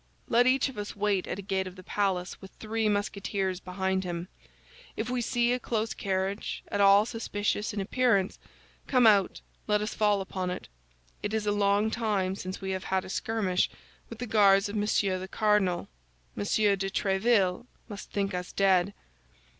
Let each of us wait at a gate of the palace with three Musketeers behind him; if we see a close carriage, at all suspicious in appearance, come out, let us fall upon it. It is a long time since we have had a skirmish with the Guards of Monsieur the Cardinal; Monsieur de Tréville must think us dead."